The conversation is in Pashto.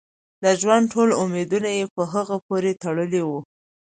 د ژوند ټول امیدونه یې په هغه پورې تړلي وو.